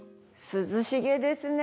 涼しげですね。